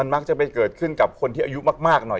ไม่เกิดขึ้นกับคนที่อายุมากหน่อย